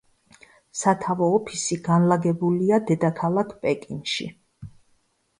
სათავო ოფისი განლაგებულია დედაქალაქ პეკინში.